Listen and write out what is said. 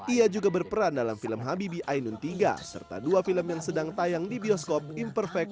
ia juga berperan dalam film habibi ainun tiga serta dua film yang sedang tayang di bioskop imperfect